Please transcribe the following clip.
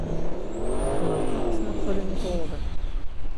Tteqqneɣ kan tismaqqalin i tɣuri.